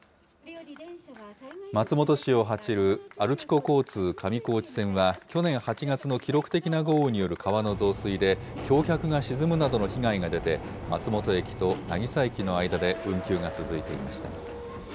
松本市を走るアルピコ交通上高地線は、去年８月の記録的な豪雨による川の増水で、橋脚が沈むなどの被害が出て、松本駅と渚駅の間で運休が続いていました。